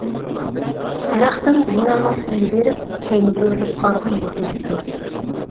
يىراقتىن بىنانىڭ تۈۋىگە بېرىپ كەينىگە ئۆرۈلۈپ قارىغان يۇلتۇزنى كۆردى.